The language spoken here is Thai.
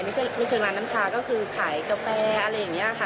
ไม่ใช่ร้านน้ำชาก็คือขายกาแฟอะไรอย่างนี้ค่ะ